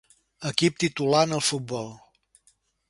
Equip titular en el futbol.